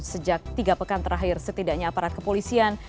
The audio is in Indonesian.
sejak tiga pekan terakhir setidaknya aparat kepolisian